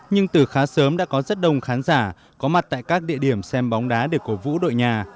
nhưng từ khá sớm đã có rất đông khán giả có mặt tại các địa điểm xem bóng đá để cổ vũ đội nhà